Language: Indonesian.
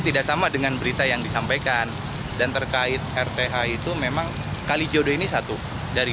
tidak sama dengan berita yang disampaikan dan terkait rth itu memang kalijodo ini satu dari